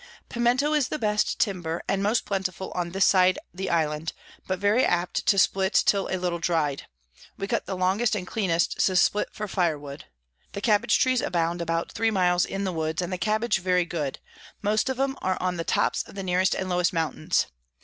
Piemento is the best Timber, and most plentiful on this side the Island, but very apt to split till a little dry'd: we cut the longest and cleanest to split for Fire wood. The Cabbage Trees abound about three miles in the Woods, and the Cabbage very good; most of 'em are on the tops of the nearest and lowest Mountains.